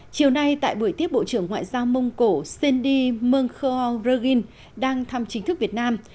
chiều nay tại buổi tiếp bộ trưởng ngoại giao mông cổ cindy mungkhoa rugin đang thăm chính thức việt nam